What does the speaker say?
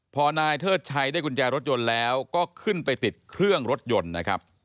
พอนายเทิดชัยได้กุญแจรถยนต์แล้วก็ขึ้นไปติดเครื่องรถยนต์นะครับ